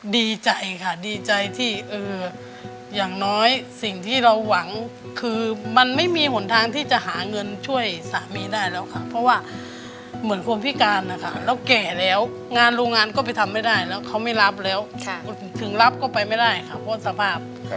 ดีใจค่ะดีใจที่อย่างน้อยสิ่งที่เราหวังคือมันไม่มีหนทางที่จะหาเงินช่วยสามีได้แล้วค่ะเพราะว่าเหมือนคนพิการนะคะเราแก่แล้วงานโรงงานก็ไปทำไม่ได้แล้วเขาไม่รับแล้วถึงรับก็ไปไม่ได้ค่ะเพราะสภาพ